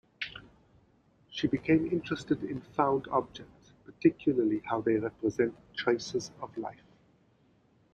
She became interested in found objects, particularly how they represent traces of life.